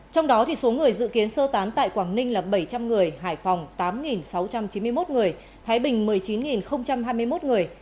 trong đó số người dự kiến sơ tán tại quảng ninh là bảy trăm linh người hải phòng tám sáu trăm chín mươi một người thái bình một mươi chín hai mươi một người